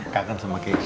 kakak sama keisha